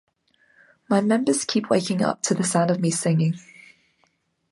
My members keep waking up to the sound of me singing.